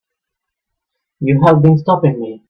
You have been stopping me.